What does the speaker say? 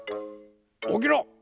おきろ！